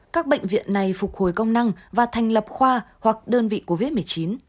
các bệnh viện này phục hồi công năng và thành lập khoa hoặc đơn vị covid một mươi chín